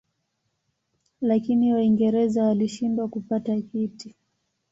Lakini Waingereza walishindwa kupata kiti.